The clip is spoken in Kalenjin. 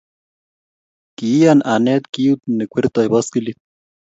Kiiyan anet kiut ne kwertoi boskilit.